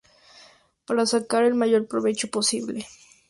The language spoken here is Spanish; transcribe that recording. Para sacar el mayor provecho posible.